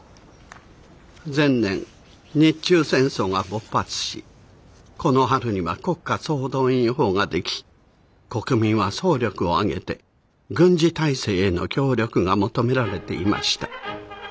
前年日中戦争が勃発しこの春には国家総動員法が出来国民は総力を挙げて軍事体制への協力が求められていました。